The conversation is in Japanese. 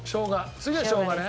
次はしょうがね。